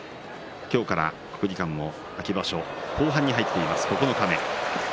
今日から国技館、秋場所後半に入っています、九日目。